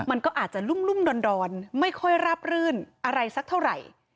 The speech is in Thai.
มันก็อาจจะรุ่มดอนไม่ค่อยราบรื่นอะไรสักเท่าไหร่